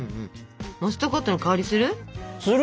モストコットの香りする？